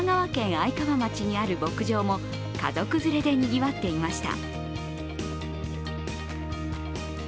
愛川町にある牧場も家族連れでにぎわっていました。